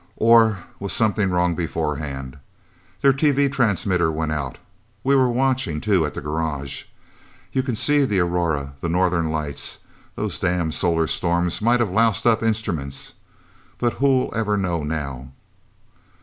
"Or was something wrong, beforehand? Their TV transmitter went out we were watching, too, at the garage... You can see the aurora the Northern Lights... Those damn solar storms might have loused up instruments...! But who'll ever know, now...?"